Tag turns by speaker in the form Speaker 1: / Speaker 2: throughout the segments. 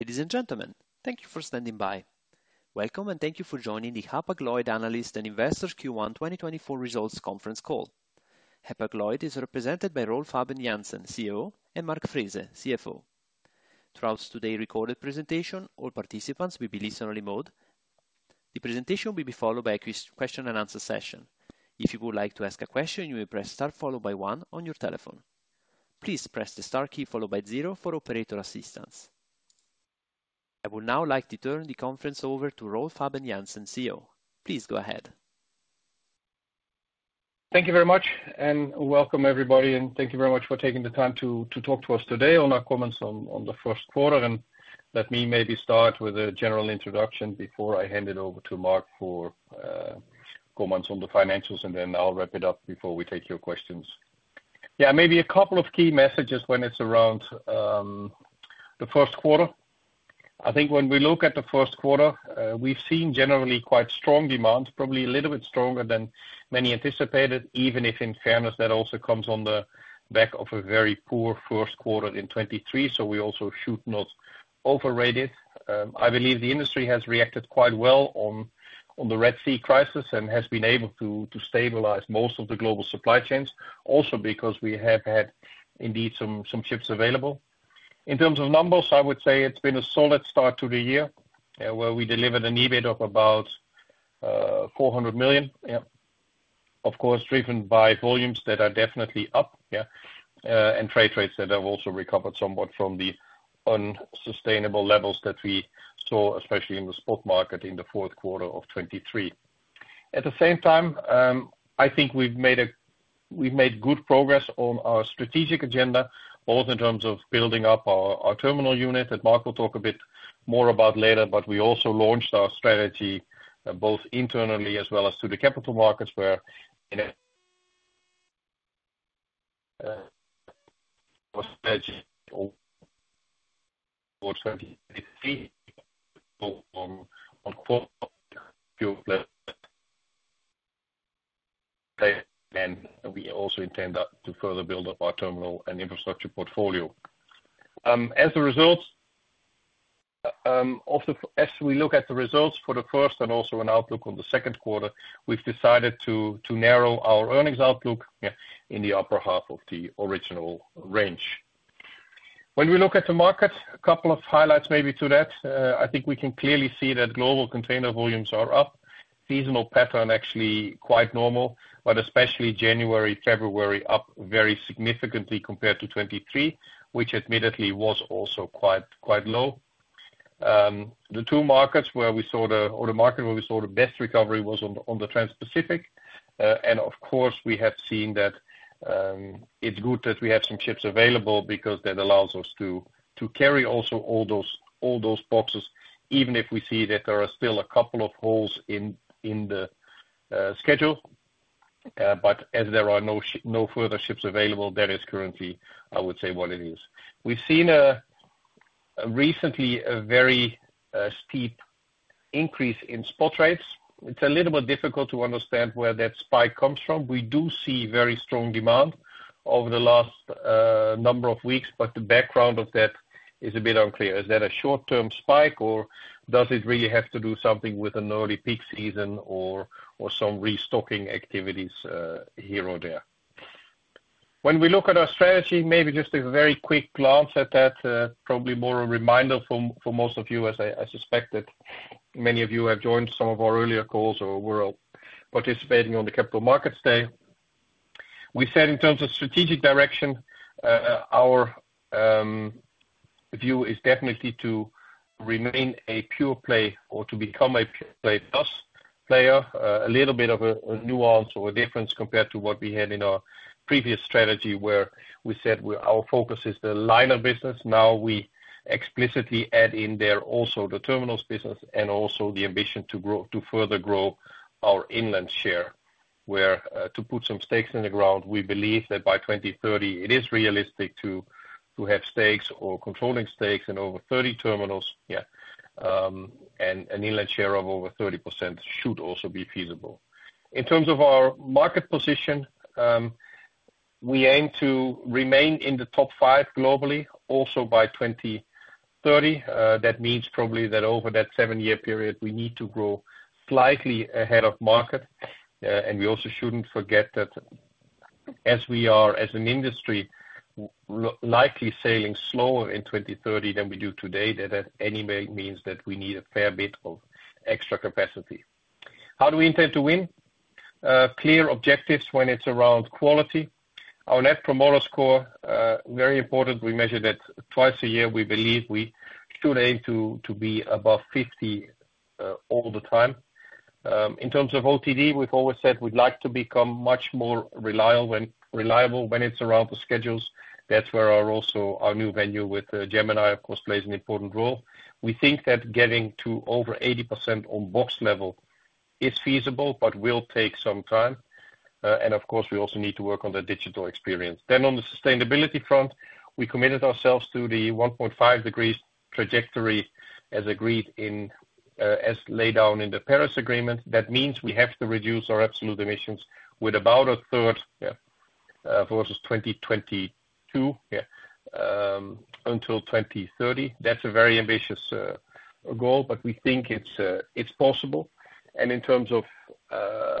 Speaker 1: Ladies and gentlemen, thank you for standing by. Welcome, and thank you for joining the Hapag-Lloyd Analyst and Investors Q1 2024 Results Conference Call. Hapag-Lloyd is represented by Rolf Habben Jansen, CEO, and Mark Frese, CFO. Throughout today's recorded presentation, all participants will be in listen-only mode. The presentation will be followed by a question-and-answer session. If you would like to ask a question, you may press Star followed by one on your telephone. Please press the Star key followed by zero for operator assistance. I would now like to turn the conference over to Rolf Habben Jansen, CEO. Please go ahead.
Speaker 2: Thank you very much, and welcome everybody, and thank you very much for taking the time to talk to us today on our comments on the first quarter. And let me maybe start with a general introduction before I hand it over to Mark for comments on the financials, and then I'll wrap it up before we take your questions. Yeah, maybe a couple of key messages when it's around the first quarter. I think when we look at the first quarter, we've seen generally quite strong demand, probably a little bit stronger than many anticipated, even if, in fairness, that also comes on the back of a very poor first quarter in 2023. So we also should not overrate it. I believe the industry has reacted quite well on the Red Sea crisis and has been able to stabilize most of the global supply chains, also because we have had indeed some ships available. In terms of numbers, I would say it's been a solid start to the year, where we delivered an EBIT of about 400 million. Yeah. Of course, driven by volumes that are definitely up, yeah, and freight rates that have also recovered somewhat from the unsustainable levels that we saw, especially in the spot market in the fourth quarter of 2023. At the same time, I think we've made good progress on our strategic agenda, both in terms of building up our terminal unit, that Mark will talk a bit more about later, but we also launched our strategy, both internally as well as to the capital markets, where in a strategy for 2023 on, quote, Pure Play. We also intend to further build up our Terminal & Infrastructure portfolio. As a result, also as we look at the results for the first and also an outlook on the second quarter, we've decided to narrow our earnings outlook in the upper half of the original range. When we look at the market, a couple of highlights maybe to that. I think we can clearly see that global container volumes are up. Seasonal pattern actually quite normal, but especially January, February, up very significantly compared to 2023, which admittedly was also quite, quite low. The market where we saw the best recovery was on the Transpacific, and of course, we have seen that it's good that we have some ships available because that allows us to carry also all those, all those boxes, even if we see that there are still a couple of holes in the schedule. But as there are no further ships available, that is currently, I would say, what it is. We've seen recently a very steep increase in spot rates. It's a little bit difficult to understand where that spike comes from. We do see very strong demand over the last number of weeks, but the background of that is a bit unclear. Is that a short-term spike, or does it really have to do something with an early peak season or some restocking activities here or there? When we look at our strategy, maybe just a very quick glance at that, probably more a reminder for most of you, as I suspect that many of you have joined some of our earlier calls or were participating on the Capital Markets Day. We said in terms of strategic direction, our view is definitely to remain a Pure Play or to become a Pure Play Plus player, a little bit of a nuance or a difference compared to what we had in our previous strategy, where we said our focus is the liner business. Now, we explicitly add in there also the terminals business and also the ambition to grow, to further grow our inland share, where to put some stakes in the ground, we believe that by 2030, it is realistic to have stakes or controlling stakes in over 30 terminals. And an inland share of over 30% should also be feasible. In terms of our market position, we aim to remain in the top 5 globally, also by 2030. That means probably that over that 7-year period, we need to grow slightly ahead of market. And we also shouldn't forget that as we are, as an industry, likely sailing slower in 2030 than we do today, that at any rate means that we need a fair bit of extra capacity. How do we intend to win? Clear objectives when it's around quality. Our Net Promoter Score, very important. We measure that twice a year. We believe we should aim to be above 50 all the time. In terms of OTD, we've always said we'd like to become much more reliable when it's around the schedules. That's where our also our new venture with Gemini, of course, plays an important role. We think that getting to over 80% on box level is feasible but will take some time. And of course, we also need to work on the digital experience. Then on the sustainability front, we committed ourselves to the 1.5 degrees trajectory, as agreed in, as laid down in the Paris Agreement. That means we have to reduce our absolute emissions with about a third versus 2022 until 2030. That's a very ambitious goal, but we think it's possible. And in terms of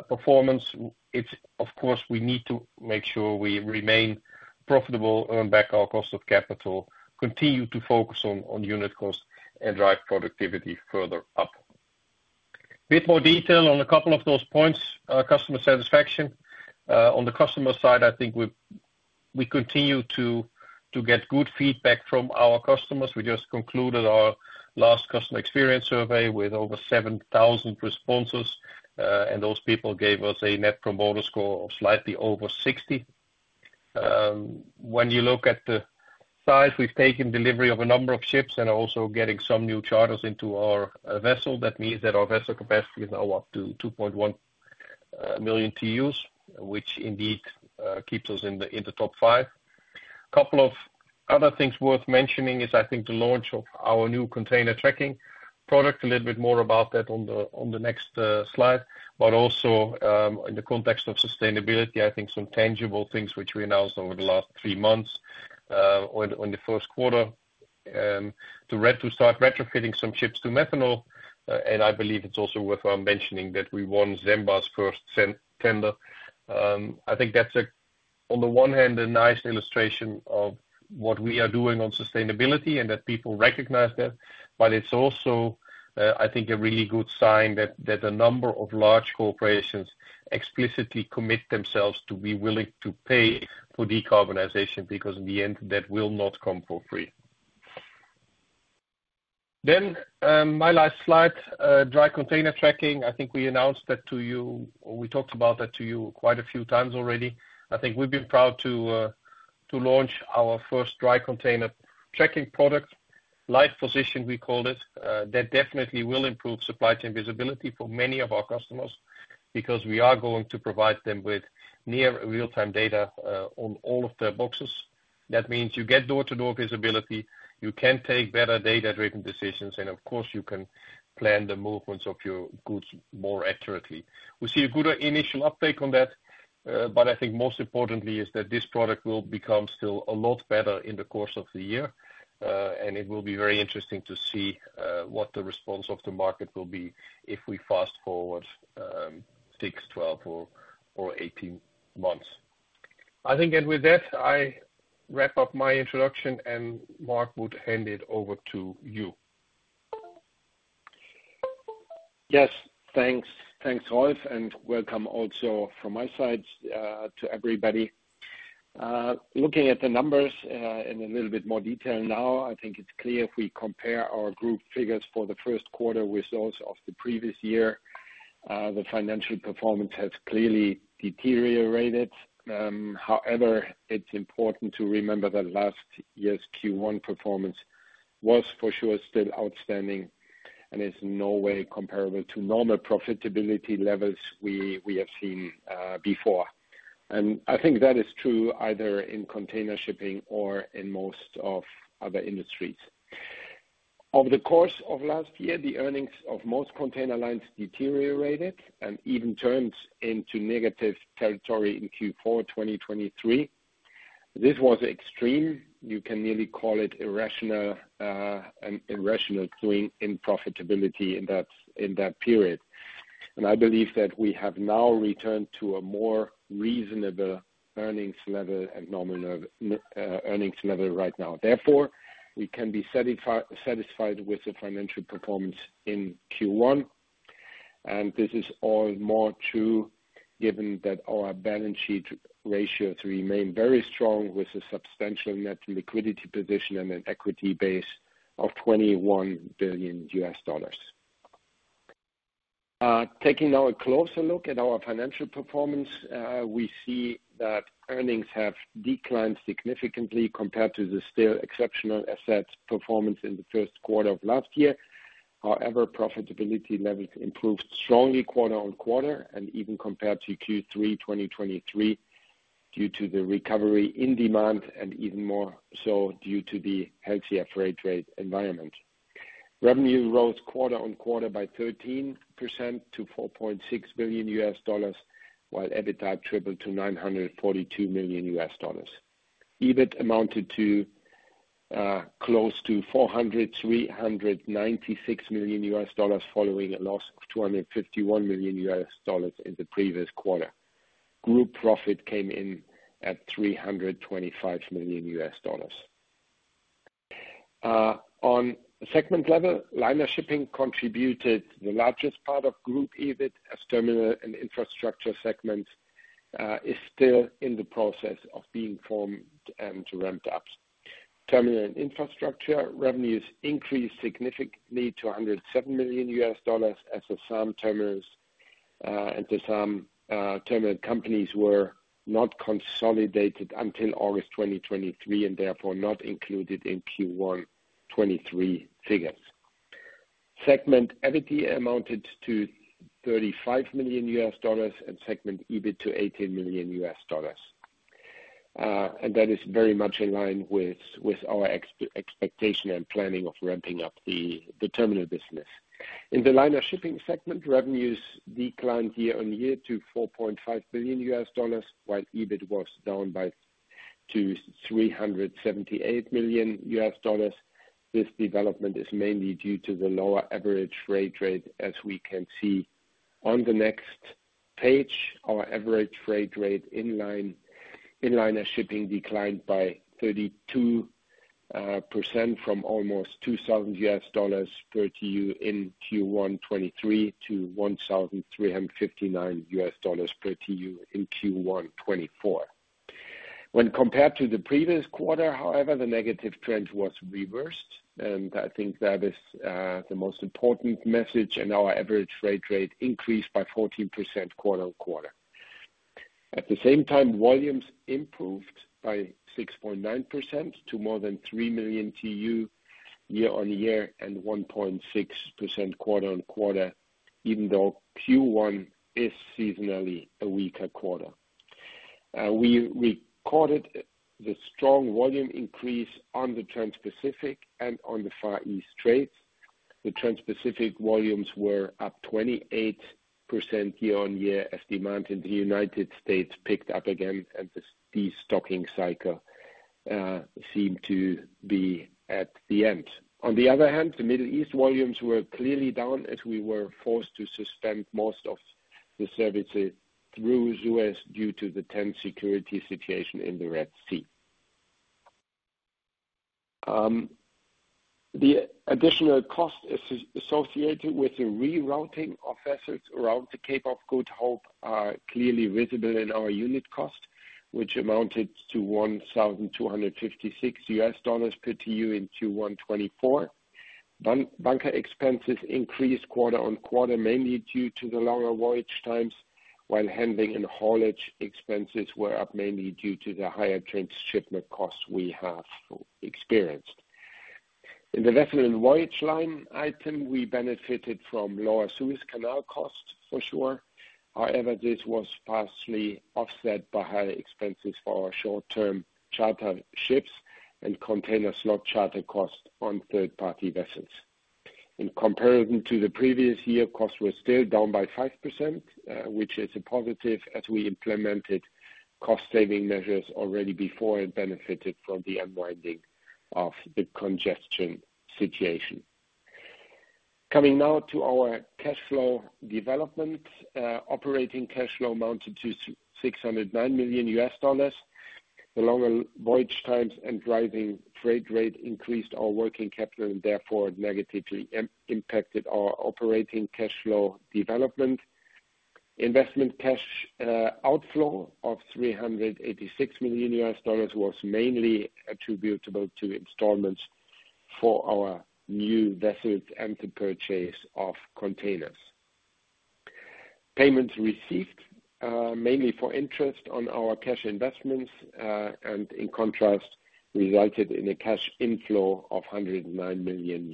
Speaker 2: performance, it's of course, we need to make sure we remain profitable, earn back our cost of capital, continue to focus on, on unit cost, and drive productivity further up. A bit more detail on a couple of those points. Customer satisfaction. On the customer side, I think we continue to get good feedback from our customers. We just concluded our last customer experience survey with over 7,000 responses, and those people gave us a Net Promoter Score of slightly over 60. When you look at the size, we've taken delivery of a number of ships and also getting some new charters into our vessel. That means that our vessel capacity is now up to 2.1 million TEUs, which indeed keeps us in the top five. Couple of other things worth mentioning is, I think, the launch of our new container tracking product. A little bit more about that on the next slide. But also, in the context of sustainability, I think some tangible things which we announced over the last three months, on the first quarter, to start retrofitting some ships to methanol. And I believe it's also worth mentioning that we won ZEMBA's first tender. I think that's a, on the one hand, a nice illustration of what we are doing on sustainability and that people recognize that. But it's also, I think, a really good sign that a number of large corporations explicitly commit themselves to be willing to pay for decarbonization, because in the end, that will not come for free. Then, my last slide, dry container tracking. I think we announced that to you or we talked about that to you quite a few times already. I think we've been proud to launch our first dry container tracking product. Live Position, we called it. That definitely will improve supply chain visibility for many of our customers, because we are going to provide them with near real-time data on all of their boxes. That means you get door-to-door visibility, you can take better data-driven decisions, and of course, you can plan the movements of your goods more accurately. We see a good initial uptake on that, but I think most importantly is that this product will become still a lot better in the course of the year. And it will be very interesting to see what the response of the market will be if we fast-forward 6 months, 12 months or, or 18 months. I think that with that, I wrap up my introduction, and Mark would hand it over to you.
Speaker 3: Yes, thanks. Thanks, Rolf, and welcome also from my side to everybody. Looking at the numbers in a little bit more detail now, I think it's clear if we compare our group figures for the first quarter with those of the previous year, the financial performance has clearly deteriorated. However, it's important to remember that last year's Q1 performance was for sure still outstanding and is in no way comparable to normal profitability levels we have seen before. And I think that is true either in container shipping or in most of other industries. Over the course of last year, the earnings of most container lines deteriorated and even turned into negative territory in Q4 2023. This was extreme. You can nearly call it irrational, an irrational swing in profitability in that period. I believe that we have now returned to a more reasonable earnings level and nominal earnings level right now. Therefore, we can be satisfied with the financial performance in Q1, and this is all more true given that our balance sheet ratios remain very strong, with a substantial net liquidity position and an equity base of $21 billion. Taking now a closer look at our financial performance, we see that earnings have declined significantly compared to the still exceptional asset performance in the first quarter of last year. However, profitability levels improved strongly quarter-on-quarter and even compared to Q3 2023, due to the recovery in demand and even more so due to the healthier freight rate environment. Revenue rose quarter-on-quarter by 13% to $4.6 billion, while EBITDA tripled to $942 million. EBIT amounted to, close to $400, 396 million, following a loss of $251 million in the previous quarter. Group profit came in at $325 million. On segment level, liner shipping contributed the largest part of group EBIT as Terminal & Infrastructure segments is still in the process of being formed and to ramped up. Terminal & Infrastructure revenues increased significantly to $107 million as the some terminals and the some terminal companies were not consolidated until August 2023, and therefore not included in Q1 2023 figures. Segment EBIT amounted to $35 million, and segment EBIT to $18 million. And that is very much in line with our expectation and planning of ramping up the terminal business. In the liner shipping segment, revenues declined year-on-year to $4.5 billion, while EBIT was down to $378 million. This development is mainly due to the lower average freight rate, as we can see on the next page. Our average freight rate in liner shipping declined by 32%, from almost $2,000 per TEU in Q1 2023 to $1,359 per TEU in Q1 2024. When compared to the previous quarter, however, the negative trend was reversed, and I think that is the most important message. Our average freight rate increased by 14% quarter-over-quarter. At the same time, volumes improved by 6.9% to more than 3 million TEU year-over-year, and 1.6% quarter-over-quarter, even though Q1 is seasonally a weaker quarter. We caught the strong volume increase on the Transpacific and on the Far East trades. The Transpacific volumes were up 28% year-over-year, as demand in the United States picked up again and the de-stocking cycle seemed to be at the end. On the other hand, the Middle East volumes were clearly down, as we were forced to suspend most of the services through Suez due to the tense security situation in the Red Sea. The additional cost associated with the rerouting of assets around the Cape of Good Hope are clearly visible in our unit cost, which amounted to $1,256 per TEU in Q1 2024. Bunker expenses increased quarter-on-quarter, mainly due to the longer voyage times, while handling and haulage expenses were up, mainly due to the higher transshipment costs we have experienced. In the vessel and voyage line item, we benefited from lower Suez Canal costs for sure. However, this was partially offset by higher expenses for our short-term charter ships and container slot charter costs on third-party vessels. In comparison to the previous year, costs were still down by 5%, which is a positive as we implemented cost saving measures already before, and benefited from the unwinding of the congestion situation. Coming now to our cash flow development. Operating cash flow amounted to $609 million. The longer voyage times and driving freight rate increased our working capital, and therefore negatively impacted our operating cash flow development. Investment cash outflow of $386 million was mainly attributable to installments for our new vessels and the purchase of containers. Payments received, mainly for interest on our cash investments, and in contrast, resulted in a cash inflow of $109 million.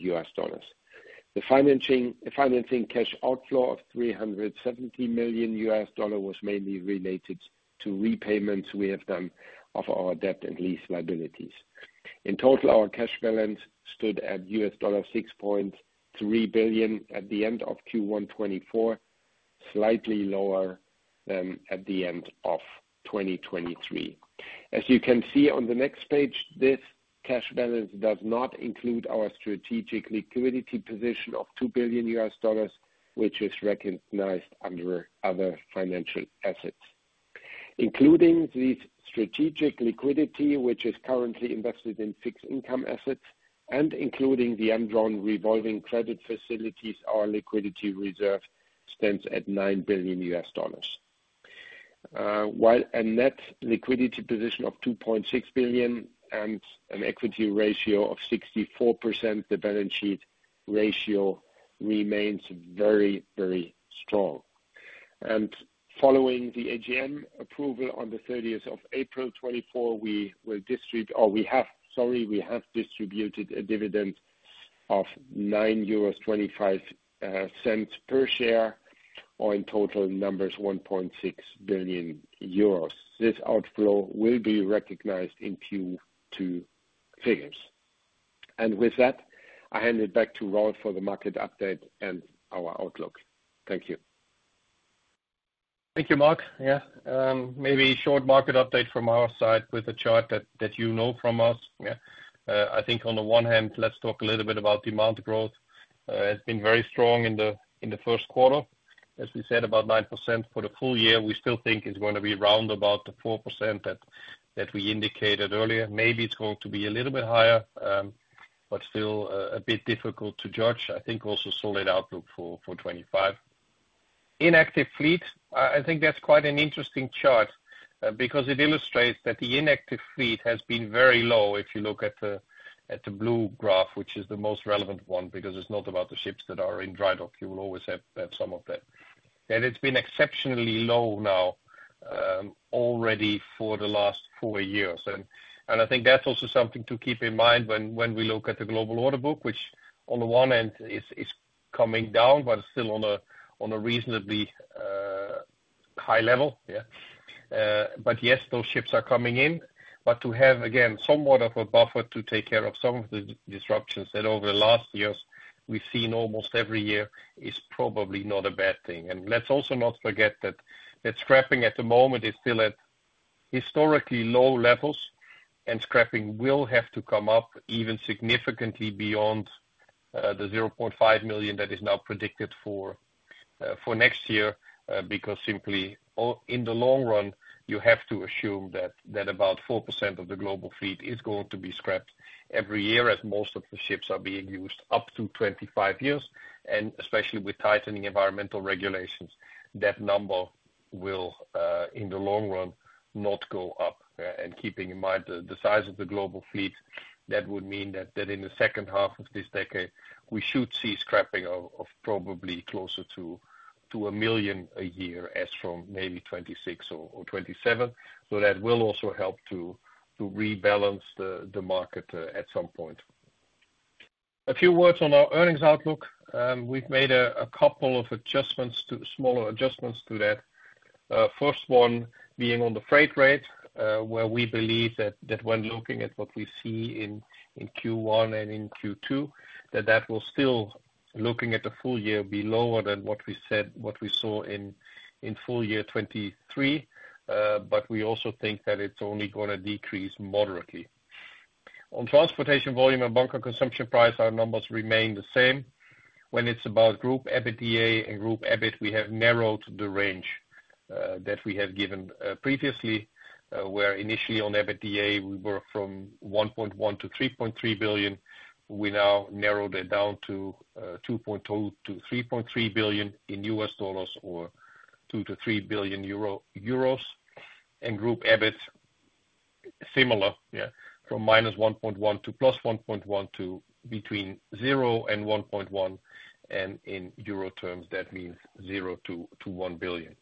Speaker 3: The financing cash outflow of $370 million was mainly related to repayments we have done of our debt and lease liabilities. In total, our cash balance stood at $6.3 billion at the end of Q1 2024, slightly lower than at the end of 2023. As you can see on the next page, this cash balance does not include our strategic liquidity position of $2 billion, which is recognized under other financial assets. Including the strategic liquidity, which is currently invested in fixed income assets, and including the undrawn revolving credit facilities, our liquidity reserve stands at $9 billion. While a net liquidity position of $2.6 billion and an equity ratio of 64%, the balance sheet ratio remains very, very strong. Following the AGM approval on the 30th April 2024, we will distribute or we have, sorry, we have distributed a dividend of 9.25 euros per share, or in total numbers, 1.6 billion euros. This outflow will be recognized in Q2 figures. With that, I hand it back to Rolf for the market update and our outlook. Thank you.
Speaker 2: Thank you, Mark. Yeah. Maybe a short market update from our side with a chart that you know from us. Yeah. I think on the one hand, let's talk a little bit about demand growth. It's been very strong in the first quarter. As we said, about 9% for the full-year. We still think it's going to be round about the 4% that we indicated earlier. Maybe it's going to be a little bit higher, but still a bit difficult to judge. I think also solid outlook for 2025. Inactive fleet, I think that's quite an interesting chart, because it illustrates that the inactive fleet has been very low, if you look at the blue graph, which is the most relevant one, because it's not about the ships that are in dry dock. You will always have some of that. And it's been exceptionally low now already for the last four years. And I think that's also something to keep in mind when we look at the global order book, which on the one hand is coming down, but still on a reasonably high level, yeah. But yes, those ships are coming in. But to have, again, somewhat of a buffer to take care of some of the disruptions that over the last years we've seen almost every year, is probably not a bad thing. And let's also not forget that scrapping at the moment is still at historically low levels, and scrapping will have to come up even significantly beyond the $0.5 million that is now predicted for next year. Because simply, in the long run, you have to assume that about 4% of the global fleet is going to be scrapped every year, as most of the ships are being used up to 25 years. And especially with tightening environmental regulations, that number will, in the long run, not go up. And keeping in mind the size of the global fleet, that would mean that in the second half of this decade, we should see scrapping of probably closer to $1 million a year as from maybe 2026 or 2027. So that will also help to rebalance the market at some point. A few words on our earnings outlook. We've made a couple of adjustments to smaller adjustments to that. First one being on the freight rate, where we believe that when looking at what we see in Q1 and in Q2, that that will still, looking at the full-year, be lower than what we said, what we saw in full-year 2023. But we also think that it's only gonna decrease moderately. On transportation volume and bunker consumption price, our numbers remain the same. When it's about group EBITDA and group EBIT, we have narrowed the range that we had given previously. Where initially on EBITDA we were from $1.1 billion-$3.3 billion, we now narrowed it down to $2.2 billion-$3.3 billion in US dollars, or 2 billion-3 billion euros. Group EBIT, similar, yeah, from -1.1 to +1.1 to between 0 and 1.1, and in euro terms, that means 0 billion-1 billion.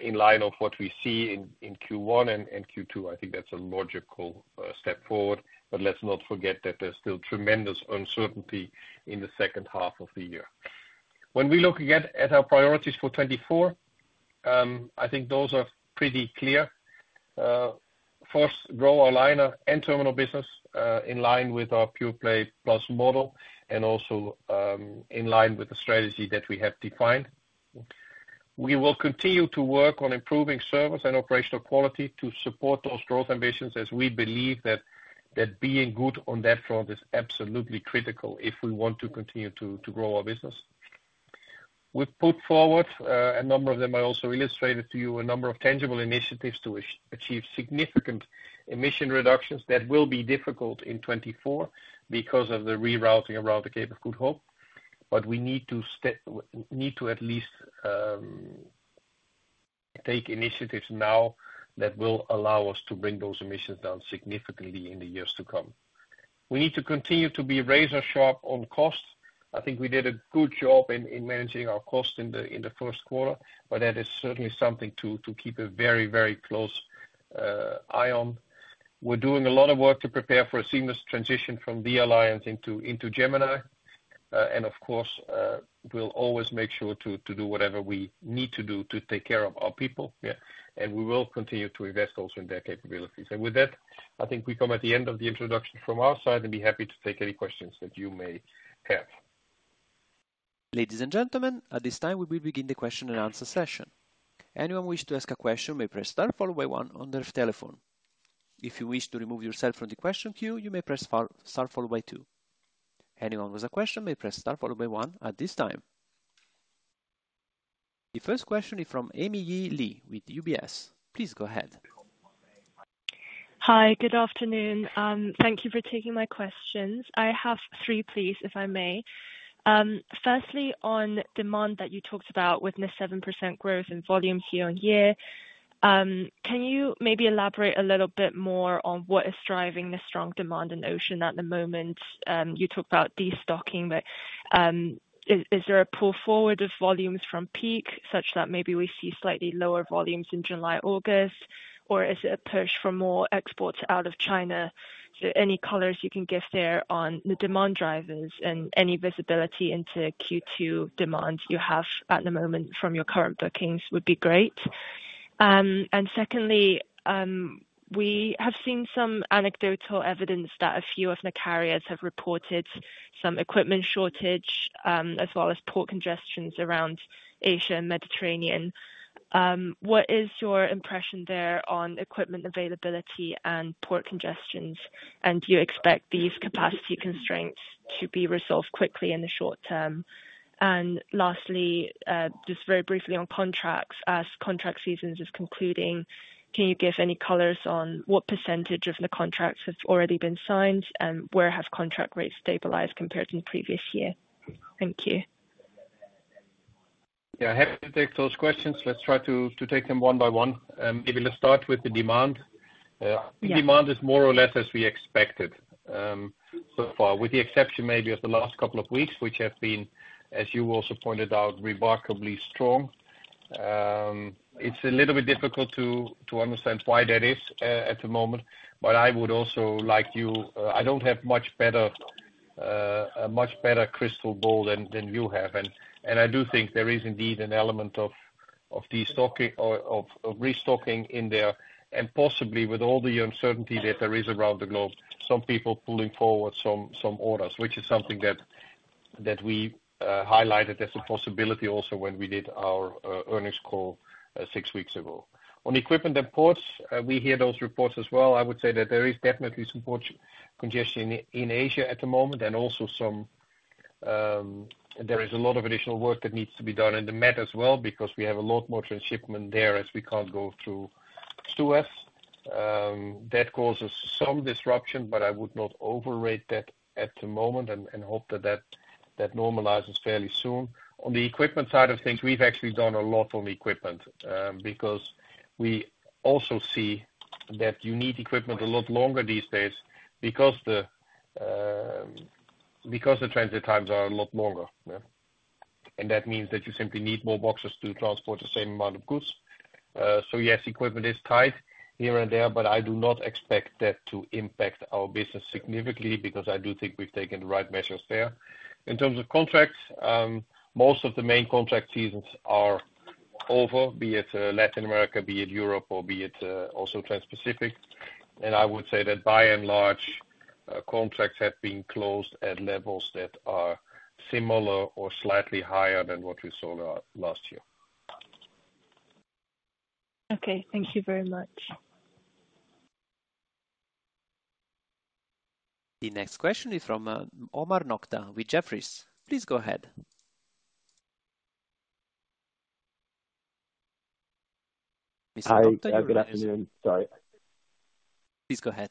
Speaker 2: In line of what we see in Q1 and Q2, I think that's a logical step forward. But let's not forget that there's still tremendous uncertainty in the second half of the year. When we look again at our priorities for 2024, I think those are pretty clear. First, grow our liner and terminal business, in line with our Pure Play Plus model, and also, in line with the strategy that we have defined. We will continue to work on improving service and operational quality to support those growth ambitions, as we believe that, that being good on that front is absolutely critical if we want to continue to, to grow our business. We've put forward a number of them. I also illustrated to you a number of tangible initiatives to achieve significant emission reductions. That will be difficult in 2024 because of the rerouting around the Cape of Good Hope. But we need to at least take initiatives now that will allow us to bring those emissions down significantly in the years to come. We need to continue to be razor sharp on cost. I think we did a good job in managing our cost in the first quarter, but that is certainly something to keep a very, very close eye on. We're doing a lot of work to prepare for a seamless transition from THE Alliance into Gemini. And of course, we'll always make sure to do whatever we need to do to take care of our people, yeah, and we will continue to invest also in their capabilities. With that, I think we come at the end of the introduction from our side, and be happy to take any questions that you may have.
Speaker 1: Ladies and gentlemen, at this time, we will begin the question and answer session. Anyone who wishes to ask a question may press Star followed by one on their telephone. If you wish to remove yourself from the question queue, you may press Star followed by two. Anyone with a question may press star followed by one at this time. The first question is from Amy Yi Li with UBS. Please go ahead.
Speaker 4: Hi, good afternoon. Thank you for taking my questions. I have three, please, if I may. Firstly, on demand that you talked about with the 7% growth in volume year-on-year, can you maybe elaborate a little bit more on what is driving the strong demand in ocean at the moment? You talked about destocking, but is there a pull forward of volumes from peak such that maybe we see slightly lower volumes in July, August, or is it a push for more exports out of China? So any colors you can give there on the demand drivers and any visibility into Q2 demands you have at the moment from your current bookings would be great. And secondly, we have seen some anecdotal evidence that a few of the carriers have reported some equipment shortage, as well as port congestions around Asia and Mediterranean. What is your impression there on equipment availability and port congestions? And do you expect these capacity constraints to be resolved quickly in the short term? And lastly, just very briefly on contracts. As contract seasons is concluding, can you give any colors on what percentage of the contracts have already been signed, and where have contract rates stabilized compared to the previous year? Thank you.
Speaker 2: Yeah, happy to take those questions. Let's try to take them one by one. Maybe let's start with the demand.
Speaker 4: Yeah.
Speaker 2: Demand is more or less as we expected, so far, with the exception maybe of the last couple of weeks, which have been, as you also pointed out, remarkably strong. It's a little bit difficult to understand why that is at the moment. I don't have a much better crystal ball than you have. And I do think there is indeed an element of destocking or of restocking in there, and possibly with all the uncertainty that there is around the globe, some people pulling forward some orders, which is something that we highlighted as a possibility also when we did our earnings call six weeks ago. On equipment and ports, we hear those reports as well. I would say that there is definitely some port congestion in Asia at the moment, and also some, there is a lot of additional work that needs to be done in the Med as well, because we have a lot more transshipment there as we can't go through Suez. That causes some disruption, but I would not overrate that at the moment, and hope that that normalizes fairly soon. On the equipment side of things, we've actually done a lot on equipment, because we also see that you need equipment a lot longer these days because the transit times are a lot longer. Yeah. And that means that you simply need more boxes to transport the same amount of goods. So yes, equipment is tight here and there, but I do not expect that to impact our business significantly because I do think we've taken the right measures there. In terms of contracts, most of the main contract seasons are over, be it Latin America, be it Europe, or be it also Transpacific. And I would say that by and large, contracts have been closed at levels that are similar or slightly higher than what we saw there last year.
Speaker 4: Okay, thank you very much.
Speaker 1: The next question is from Omar Nokta with Jefferies. Please go ahead. Mr. Nokta, are you there?
Speaker 5: Hi, good afternoon. Sorry.
Speaker 1: Please go ahead.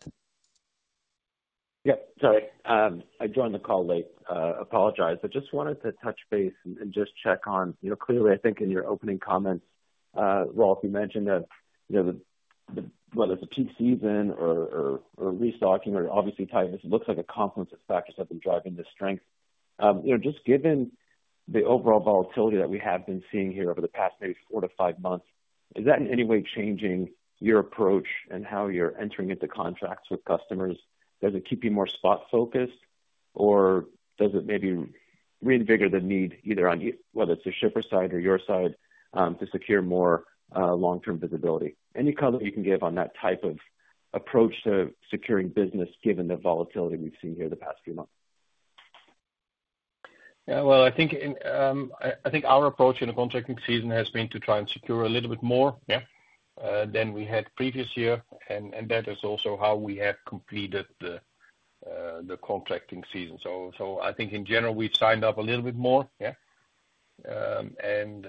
Speaker 5: Yeah, sorry. I joined the call late, apologize. I just wanted to touch base and just check on, you know, clearly, I think in your opening comments, Rolf, you mentioned that, you know, whether it's a peak season or restocking or obviously, tight, this looks like a confluence of factors that have been driving the strength. You know, just given the overall volatility that we have been seeing here over the past maybe four to five months, is that in any way changing your approach and how you're entering into contracts with customers? Does it keep you more spot focused, or does it maybe reinvigorate the need either on whether it's the shipper side or your side, to secure more, long-term visibility? Any color you can give on that type of approach to securing business, given the volatility we've seen here the past few months?
Speaker 2: Yeah, well, I think in, I think our approach in the contracting season has been to try and secure a little bit more, yeah, than we had previous year, and that is also how we have completed the contracting season. So I think in general, we've signed up a little bit more, yeah. And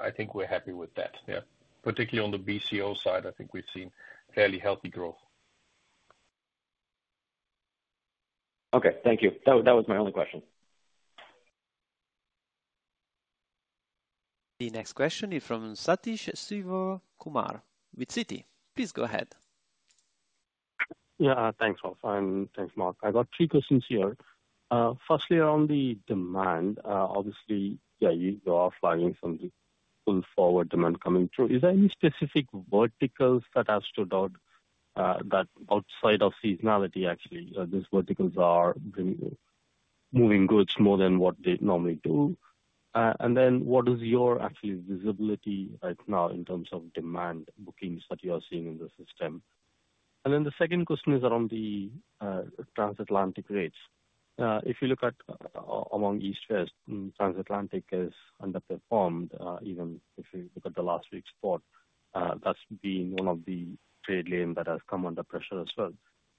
Speaker 2: I think we're happy with that, yeah. Particularly on the BCO side, I think we've seen fairly healthy growth.
Speaker 5: Okay, thank you. That, that was my only question.
Speaker 1: The next question is from Sathish Sivakumar with Citi. Please go ahead.
Speaker 6: Yeah, thanks, Rolf, and thanks, Mark. I got three questions here. Firstly, on the demand, obviously, yeah, you are flagging some pull forward demand coming through. Is there any specific verticals that have stood out, that outside of seasonality actually, these verticals are bringing, moving goods more than what they normally do? And then what is your actual visibility right now in terms of demand bookings that you are seeing in the system? And then the second question is around the Transatlantic rates. If you look at among East-West, Transatlantic has underperformed, even if you look at the last week's report, that's been one of the trade lane that has come under pressure as well.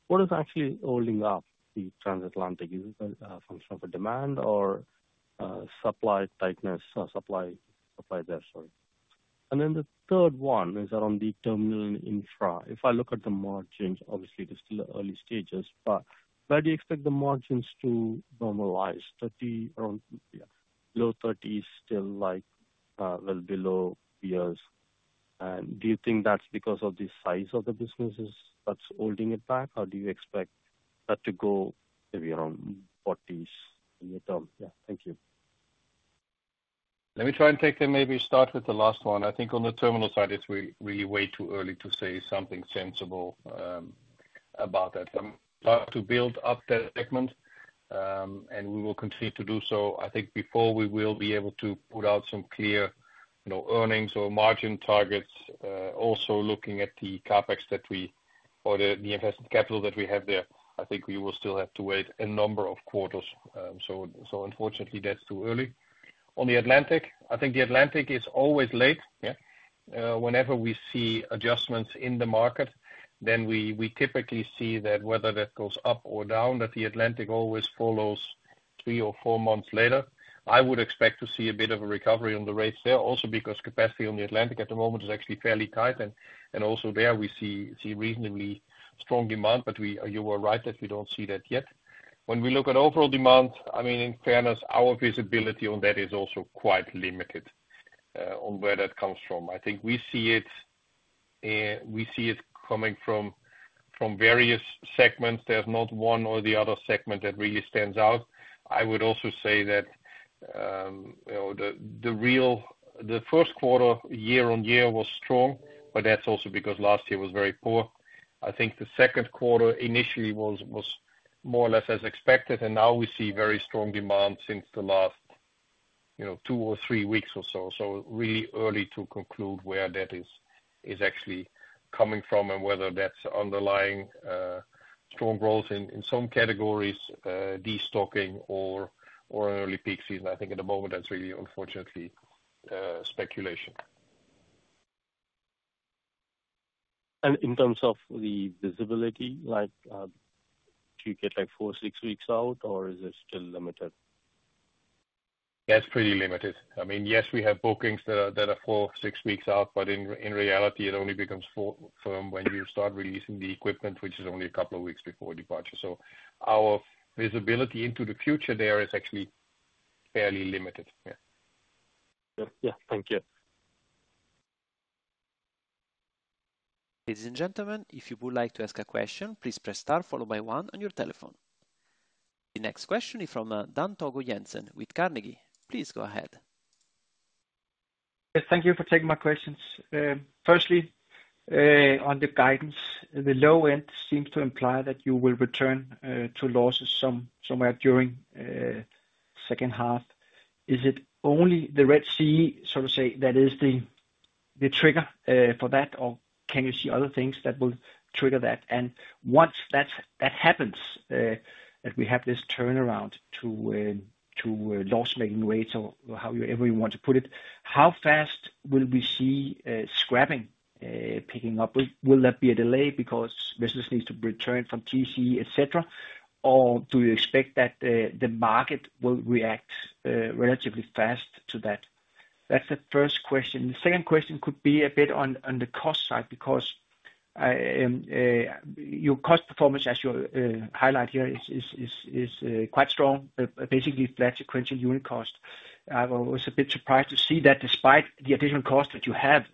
Speaker 6: What is actually holding up the Transatlantic? Is that a function of a demand or supply tightness or supply, supply there, sorry. Then the third one is around the terminal infra. If I look at the margins, obviously, it is still early stages, but where do you expect the margins to normalize? 30, around, yeah, low 30s, still like, well below years. And do you think that's because of the size of the businesses that's holding it back, or do you expect that to go maybe around 40s in the term? Yeah. Thank you.
Speaker 2: Let me try and take them, maybe start with the last one. I think on the terminal side, it's really way too early to say something sensible about that. I'm about to build up that segment, and we will continue to do so. I think before we will be able to put out some clear, you know, earnings or margin targets, also looking at the CapEx that we or the invested capital that we have there, I think we will still have to wait a number of quarters. So, so unfortunately, that's too early. On the Atlantic, I think the Atlantic is always late, yeah. Whenever we see adjustments in the market, then we, we typically see that whether that goes up or down, that the Atlantic always follows three or four months later. I would expect to see a bit of a recovery on the rates there also because capacity on the Atlantic at the moment is actually fairly tight, and also there we see reasonably strong demand, but we—you were right, that we don't see that yet. When we look at overall demand, I mean, in fairness, our visibility on that is also quite limited, on where that comes from. I think we see it, we see it coming from various segments. There's not one or the other segment that really stands out. I would also say that, you know, the real first quarter year-over-year was strong, but that's also because last year was very poor. I think the second quarter initially was more or less as expected, and now we see very strong demand since the last, you know, two or three weeks or so. So really early to conclude where that is actually coming from and whether that's underlying strong growth in some categories, destocking or an early peak season. I think at the moment that's really unfortunately speculation.
Speaker 6: In terms of the visibility, like, do you get like 4, 6 weeks out, or is it still limited?
Speaker 2: Yeah, it's pretty limited. I mean, yes, we have bookings that are 4, 6 weeks out, but in reality it only becomes firm when we start releasing the equipment, which is only a couple of weeks before departure. So our visibility into the future there is actually fairly limited. Yeah.
Speaker 6: Yeah. Thank you.
Speaker 1: Ladies and gentlemen, if you would like to ask a question, please press star followed by one on your telephone. The next question is from Dan Togo Jensen with Carnegie. Please go ahead.
Speaker 7: Yes, thank you for taking my questions. Firstly, on the guidance, the low end seems to imply that you will return to losses somewhere during second half. Is it only the Red Sea, so to say, that is the trigger for that? Or can you see other things that will trigger that? And once that happens, that we have this turnaround to loss-making rates or however you want to put it, how fast will we see scrapping picking up? Will there be a delay because business needs to return from TC, et cetera, or do you expect that the market will react relatively fast to that? That's the first question. The second question could be a bit on the cost side, because your cost performance as your highlight here is quite strong, basically flat sequential unit cost. I was a bit surprised to see that despite the additional cost that you have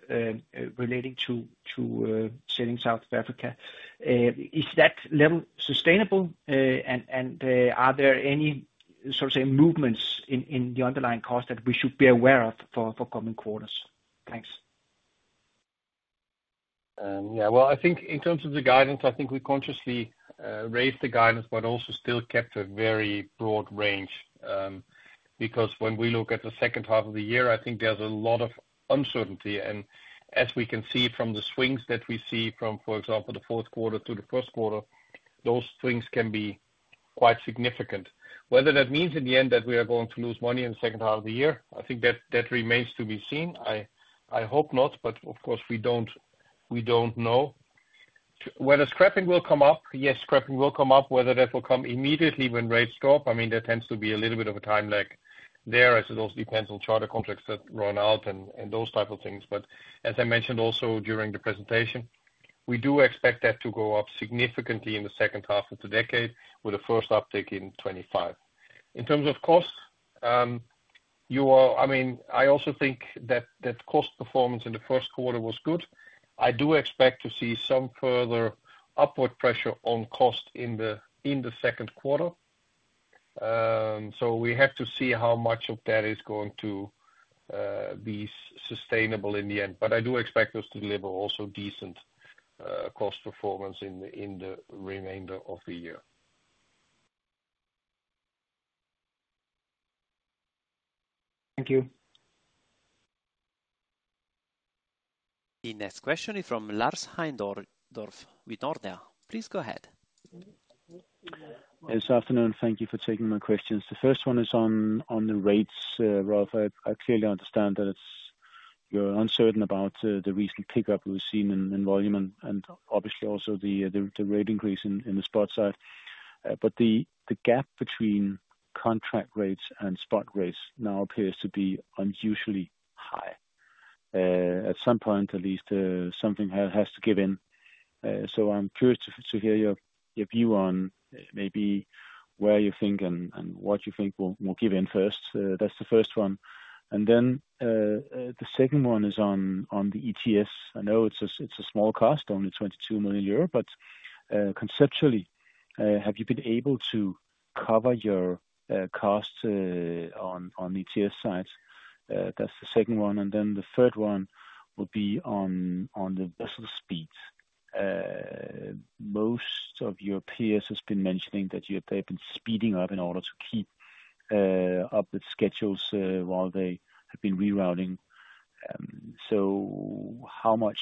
Speaker 7: relating to selling South Africa. Is that level sustainable? And are there any, so to say, movements in the underlying cost that we should be aware of for coming quarters? Thanks.
Speaker 2: Yeah, well, I think in terms of the guidance, I think we consciously raised the guidance, but also still kept a very broad range. Because when we look at the second half of the year, I think there's a lot of uncertainty. And as we can see from the swings that we see from, for example, the fourth quarter to the first quarter, those swings can be quite significant. Whether that means in the end that we are going to lose money in the second half of the year, I think that remains to be seen. I hope not, but of course, we don't, we don't know. Whether scrapping will come up, yes, scrapping will come up. Whether that will come immediately when rates drop, I mean, there tends to be a little bit of a time lag there, as it also depends on charter contracts that run out and those type of things. But as I mentioned also during the presentation, we do expect that to go up significantly in the second half of the decade with the first uptick in 25. In terms of costs, you are I mean, I also think that cost performance in the first quarter was good. I do expect to see some further upward pressure on cost in the second quarter. So we have to see how much of that is going to be sustainable in the end. But I do expect us to deliver also decent cost performance in the remainder of the year.
Speaker 7: Thank you.
Speaker 1: The next question is from Lars Heindorff with Nordea. Please go ahead.
Speaker 8: Good afternoon. Thank you for taking my questions. The first one is on the rates, Rolf. I clearly understand that it's you're uncertain about the recent pickup we've seen in volume and obviously also the rate increase in the spot side. But the gap between contract rates and spot rates now appears to be unusually high. At some point, at least, something has to give in. So I'm curious to hear your view on maybe where you think and what you think will give in first. That's the first one. And then the second one is on the ETS. I know it's a small cost, only 22 million euro, but conceptually, have you been able to cover your costs on ETS sides? That's the second one. And then the third one would be on the vessel speeds. Most of your peers has been mentioning that you they've been speeding up in order to keep up with schedules while they have been rerouting. So how much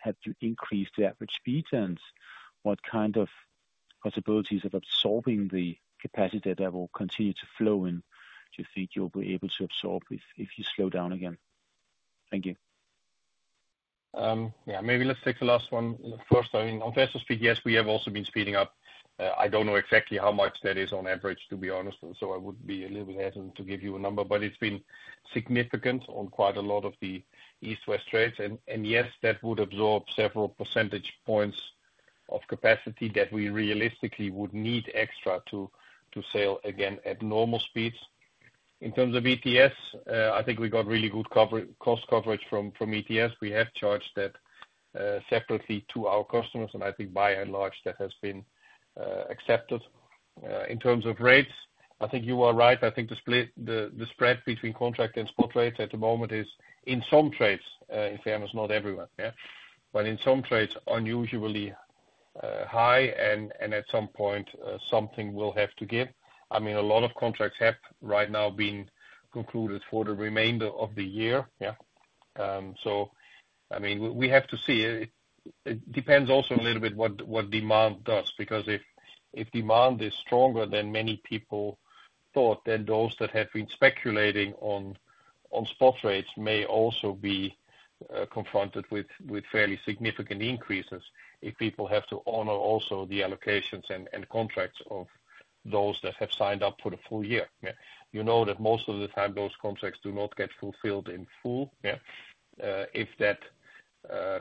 Speaker 8: have you increased the average speeds, and what kind of possibilities of absorbing the capacity that will continue to flow in? Do you think you'll be able to absorb if you slow down again? Thank you.
Speaker 2: Yeah, maybe let's take the last one first. I mean, on vessel speed, yes, we have also been speeding up. I don't know exactly how much that is on average, to be honest, and so I would be a little bit hesitant to give you a number, but it's been significant on quite a lot of the East-West trades. And yes, that would absorb several percentage points of capacity that we realistically would need extra to sail again at normal speeds. In terms of ETS, I think we got really good cost coverage from ETS. We have charged that separately to our customers, and I think by and large, that has been accepted. In terms of rates, I think you are right. I think the split, the spread between contract and spot rates at the moment is in some trades, in fairness, not everywhere, yeah? But in some trades, unusually high, and at some point, something will have to give. I mean, a lot of contracts have right now been concluded for the remainder of the year, yeah. So, I mean, we have to see. It depends also a little bit what demand does, because if demand is stronger than many people thought, then those that have been speculating on spot rates may also be confronted with fairly significant increases if people have to honor also the allocations and contracts of those that have signed up for the full-year, yeah. You know that most of the time, those contracts do not get fulfilled in full, yeah. If that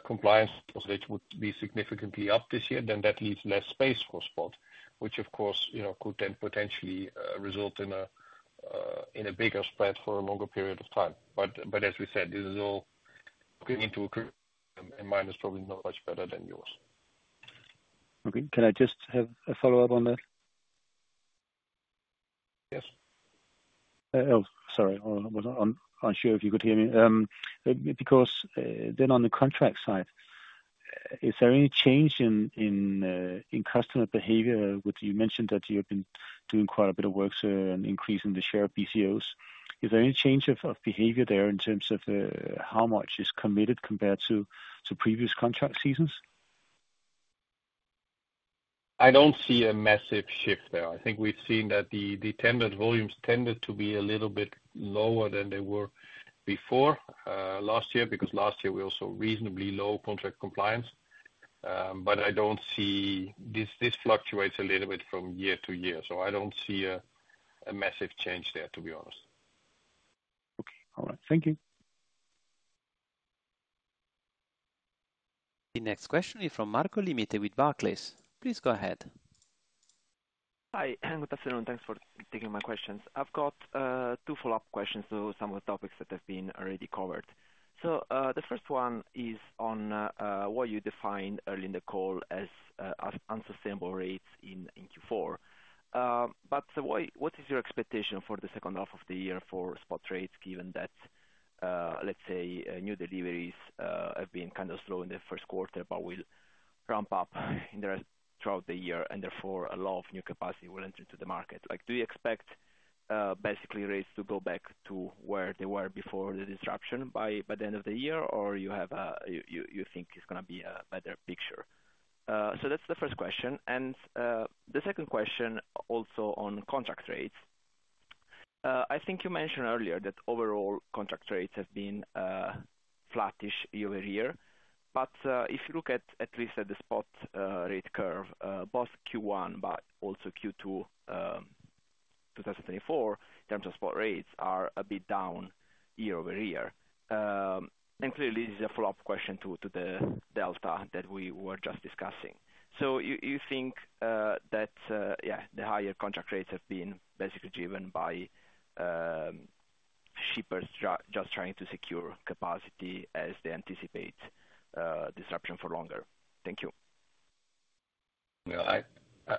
Speaker 2: compliance, which would be significantly up this year, then that leaves less space for spot, which of course, you know, could then potentially result in a bigger spread for a longer period of time. But as we said, this is all going to occur, and mine is probably not much better than yours.
Speaker 8: Okay. Can I just have a follow-up on that?
Speaker 2: Yes.
Speaker 8: Oh, sorry. I was unsure if you could hear me. Because, then on the contract side, is there any change in customer behavior, which you mentioned that you have been doing quite a bit of work to increase in the share of BCOs? Is there any change of behavior there in terms of how much is committed compared to previous contract seasons?
Speaker 2: I don't see a massive shift there. I think we've seen that the tended volumes tended to be a little bit lower than they were before, last year, because last year, we also reasonably low contract compliance. But I don't see... This fluctuates a little bit from year-to-year, so I don't see a massive change there, to be honest.
Speaker 8: Okay. All right. Thank you.
Speaker 1: The next question is from Marco Limite with Barclays. Please go ahead.
Speaker 9: Hi, and good afternoon. Thanks for taking my questions. I've got, two follow-up questions to some of the topics that have been already covered. So, the first one is on, what you defined early in the call as, as unsustainable rates in Q4. But what is your expectation for the second half of the year for spot rates, given that, let's say, new deliveries have been kind of slow in the first quarter, but will ramp up throughout the year, and therefore, a lot of new capacity will enter to the market? Like, do you expect, basically rates to go back to where they were before the disruption by the end of the year, or you have a, you think it's gonna be a better picture? So that's the first question, and the second question also on contract rates. I think you mentioned earlier that overall contract rates have been flattish year-over-year. But if you look at least at the spot rate curve, both Q1 but also Q2, 2024, in terms of spot rates, are a bit down year-over-year. And clearly, this is a follow-up question to the delta that we were just discussing. So you think that yeah, the higher contract rates have been basically driven by shippers just trying to secure capacity as they anticipate disruption for longer? Thank you.
Speaker 2: Yeah,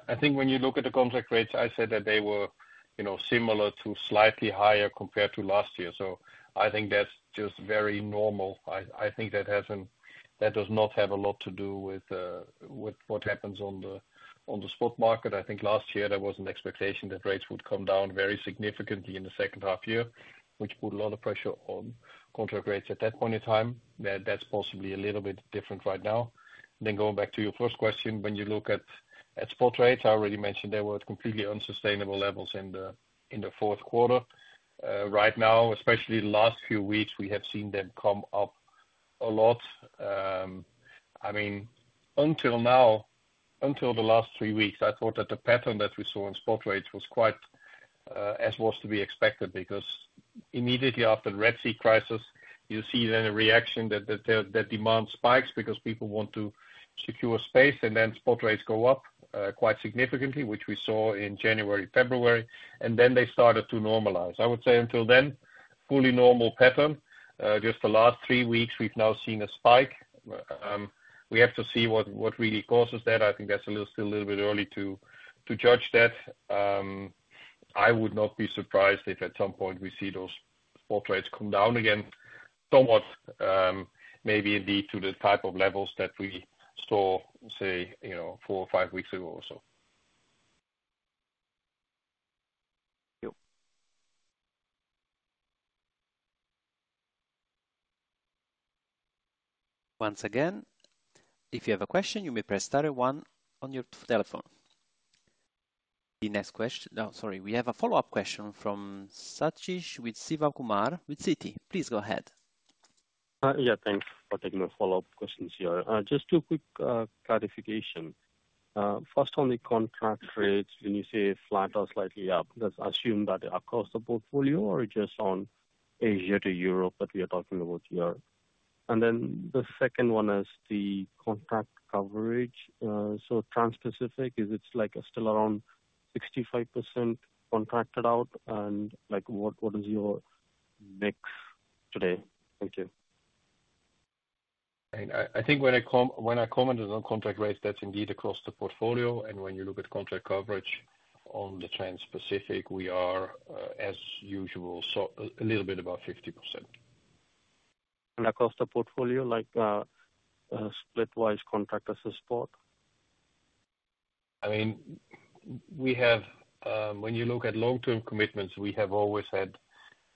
Speaker 2: I think when you look at the contract rates, I said that they were, you know, similar to slightly higher compared to last year. So I think that's just very normal. I think that hasn't, that does not have a lot to do with what happens on the spot market. I think last year there was an expectation that rates would come down very significantly in the second half year, which put a lot of pressure on contract rates at that point in time. That's possibly a little bit different right now. Then going back to your first question, when you look at spot rates, I already mentioned they were at completely unsustainable levels in the fourth quarter. Right now, especially the last few weeks, we have seen them come up a lot. I mean, until now, until the last three weeks, I thought that the pattern that we saw in spot rates was quite as was to be expected. Because immediately after the Red Sea crisis, you see then a reaction that the demand spikes because people want to secure space, and then spot rates go up quite significantly, which we saw in January, February, and then they started to normalize. I would say until then, fully normal pattern. Just the last three weeks, we've now seen a spike. We have to see what really causes that. I think that's a little still a little bit early to judge that. I would not be surprised if at some point we see those spot rates come down again, somewhat, maybe indeed to the type of levels that we saw, say, you know, 4 or 5 weeks ago or so.
Speaker 9: Thank you.
Speaker 1: Once again, if you have a question, you may press star one on your telephone. The next question... Oh, sorry. We have a follow-up question from Sathish Sivakumar with Citi. Please go ahead.
Speaker 6: Yeah, thanks for taking my follow-up questions here. Just two quick clarification. First on the contract rates, when you say flat or slightly up, let's assume that they are across the portfolio or just on Asia to Europe that we are talking about here? And then the second one is the contract coverage. So Transpacific, is it like still around 65% contracted out, and like, what, what is your mix today? Thank you.
Speaker 2: I think when I commented on contract rates, that's indeed across the portfolio, and when you look at contract coverage on the Transpacific, we are, as usual, so a little bit above 50%.
Speaker 6: Across the portfolio, like, split-wise, contract as a spot?
Speaker 2: I mean, we have, when you look at long-term commitments, we have always had,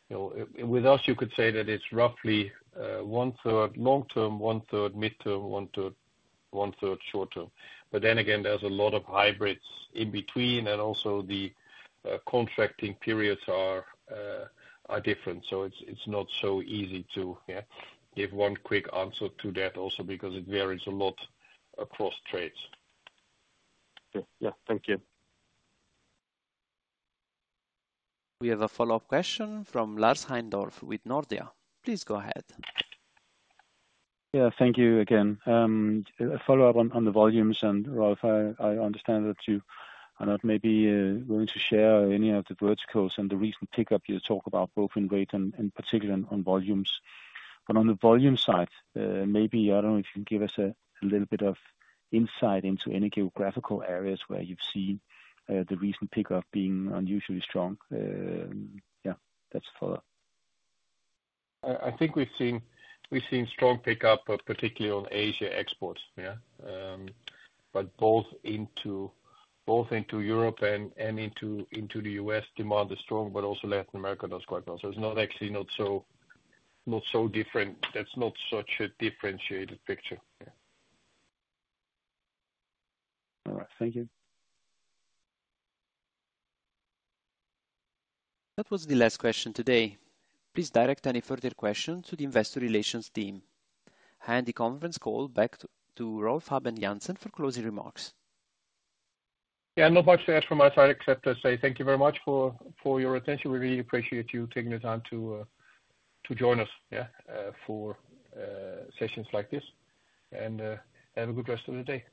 Speaker 2: you know, with us, you could say that it's roughly, one-third long-term, one-third mid-term, one-third short-term. But then again, there's a lot of hybrids in between, and also the contracting periods are different. So it's not so easy to, yeah, give one quick answer to that, also because it varies a lot across trades.
Speaker 6: Yeah. Thank you.
Speaker 1: We have a follow-up question from Lars Heindorff with Nordea. Please go ahead.
Speaker 8: Yeah, thank you again. A follow-up on the volumes, and Rolf, I, I understand that you are not maybe willing to share any of the verticals and the recent pickup you talk about, both in rate and particularly on volumes. But on the volume side, maybe I don't know if you can give us a little bit of insight into any geographical areas where you've seen the recent pickup being unusually strong. Yeah, that's follow.
Speaker 2: I think we've seen strong pickup, particularly on Asia exports. Yeah. But both into Europe and into the U.S., demand is strong, but also Latin America does quite well. So it's actually not so different. That's not such a differentiated picture. Yeah.
Speaker 8: All right. Thank you.
Speaker 1: That was the last question today. Please direct any further questions to the Investor Relations team. I hand the conference call back to Rolf Habben Jansen for closing remarks.
Speaker 2: Yeah, not much to add from my side, except to say thank you very much for your attention. We really appreciate you taking the time to join us for sessions like this, and have a good rest of the day.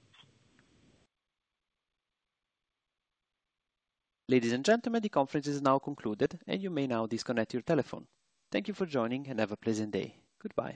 Speaker 1: Ladies and gentlemen, the conference is now concluded, and you may now disconnect your telephone. Thank you for joining, and have a pleasant day. Goodbye.